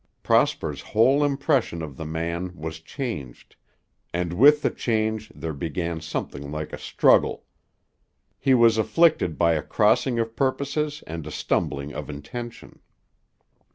Prosper's whole impression of the man was changed, and with the change there began something like a struggle. He was afflicted by a crossing of purposes and a stumbling of intention.